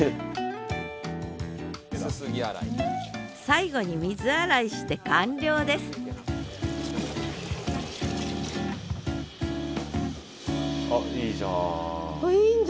最後に水洗いして完了ですあっいいじゃん。